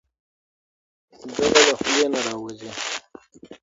ګړه له خولې نه راوځي.